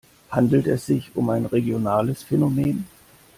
Handelt es sich um ein regionales Phänomen?